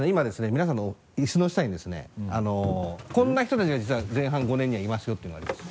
皆さんの椅子の下にですねこんな人たちが実は前半５年にはいますよっていうのがあります。